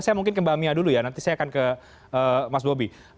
saya mungkin ke mbak mia dulu ya nanti saya akan ke mas bobi